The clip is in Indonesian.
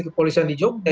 kepolisian di jogja